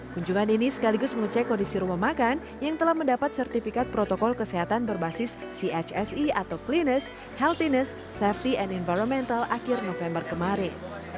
kunjungan ini sekaligus mengecek kondisi rumah makan yang telah mendapat sertifikat protokol kesehatan berbasis chse atau cleanes healthinness safety and environmental akhir november kemarin